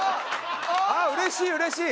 うれしいうれしい！